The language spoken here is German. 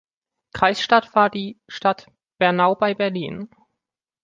Kreisstadt war die Stadt Bernau bei Berlin.